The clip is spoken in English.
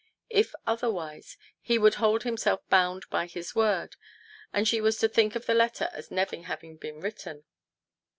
If otherwise, he would hold himself bound by his word, and she was to think of the letter as never having been written.